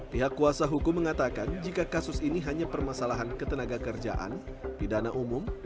pihak kuasa hukum mengatakan jika kasus ini hanya permasalahan ketenaga kerjaan pidana umum